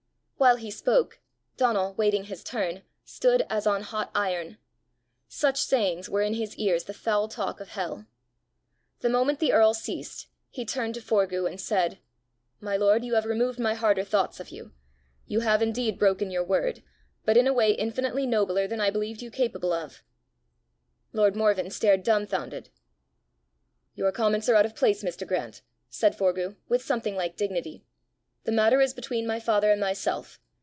While he spoke, Donal, waiting his turn, stood as on hot iron. Such sayings were in his ears the foul talk of hell. The moment the earl ceased, he turned to Forgue, and said: "My lord, you have removed my harder thoughts of you! You have indeed broken your word, but in a way infinitely nobler than I believed you capable of!" Lord Morven stared dumbfounded. "Your comments are out of place, Mr. Grant!" said Forgue, with something like dignity. "The matter is between my father and myself.